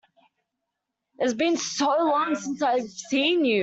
It has been so long since I have seen you!